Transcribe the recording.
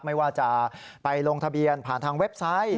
ไม่ว่าจะไปลงทะเบียนผ่านทางเว็บไซต์